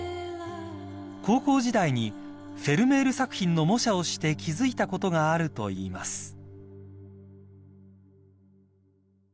［高校時代にフェルメール作品の摸写をして気付いたことがあるといいます］